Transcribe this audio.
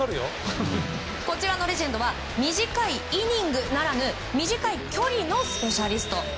こちらのレジェンドは短いイニングならぬ短い距離のスペシャリスト。